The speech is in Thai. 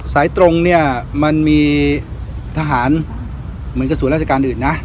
สายตรงเนี่ยมันมีทหารเหมือนกับส่วนราชการอื่นนะ